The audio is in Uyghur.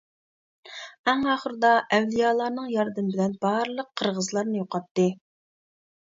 ئەڭ ئاخىرىدا ئەۋلىيالارنىڭ ياردىمى بىلەن بارلىق قىرغىزلارنى يوقاتتى.